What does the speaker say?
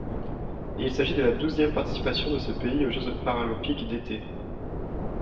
Il s'agit de la douzième participation de ce pays aux Jeux paralympiques d'été.